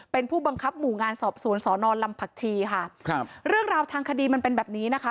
เป็นผู้บังคับหมู่งานสอบสวนสอนอนลำผักชีค่ะครับเรื่องราวทางคดีมันเป็นแบบนี้นะคะ